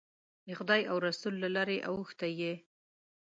د خدای او رسول له لارې اوښتی یې.